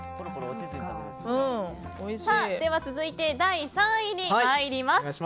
では、続いて第３位に参ります。